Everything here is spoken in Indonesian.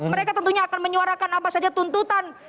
mereka tentunya akan menyuarakan apa saja tuntutan